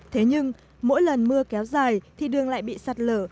thế nhưng mỗi lần mưa kéo dài thì đường lại bị sạt lở